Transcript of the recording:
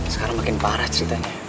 sekarang makin parah ceritanya